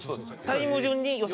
タイム順に予選。